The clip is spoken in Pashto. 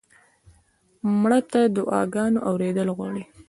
مړه ته د دعا ګانو اورېدل غواړو